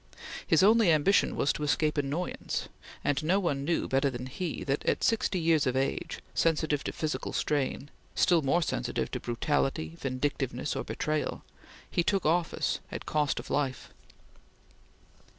His only ambition was to escape annoyance, and no one knew better than he that, at sixty years of age, sensitive to physical strain, still more sensitive to brutality, vindictiveness, or betrayal, he took office at cost of life.